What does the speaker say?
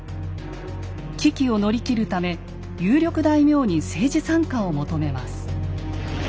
危機を乗り切るため有力大名に政治参加を求めます。